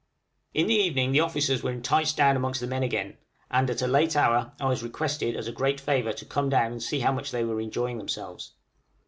In the evening the officers were enticed down amongst the men again, and at a late hour I was requested, as a great favor, to come down and see how much they were enjoying themselves.